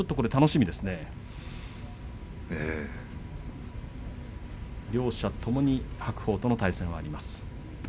ええ。両者ともに白鵬との対戦はあります。